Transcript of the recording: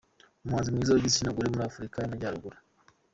Umuhanzi mwiza w’igitsina gore muri Afurika y’Amajyaruguru.